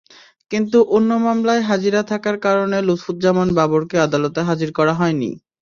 কিন্তু অন্য মামলায় হাজিরা থাকার কারণে লুৎফুজ্জামান বাবরকে আদালতে হাজির করা হয়নি।